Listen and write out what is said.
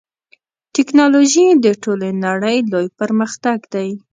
ټکنالوژي د ټولې نړۍ لوی پرمختګ دی.